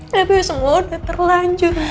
tapi semuanya terlanjur